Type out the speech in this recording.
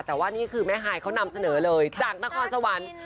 แต่ว่านี่คือแม่ฮายเขานำเสนอเลยจากนครสวรรค์